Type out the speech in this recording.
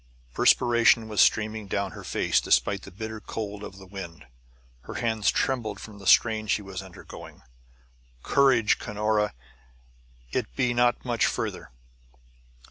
Perspiration was streaming down her face, despite the bitter cold of the wind; her hands trembled from the strain she was undergoing. "Courage, Cunora! It be not much farther!"